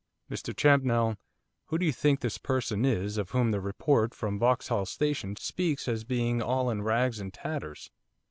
'Mr Champnell, who do you think this person is of whom the report from Vauxhall Station speaks as being all in rags and tatters?